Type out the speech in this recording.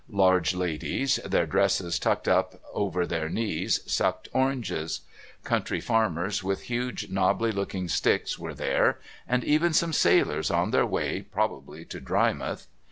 Large ladies, their dresses tucked up over their knees, sucked oranges. Country farmers with huge knobbly looking sticks were there, and even some sailors, on their way probably to Drymouth.